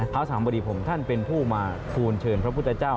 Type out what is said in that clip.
พระสามบดีผมท่านเป็นผู้มาคูณเชิญพระพุทธเจ้า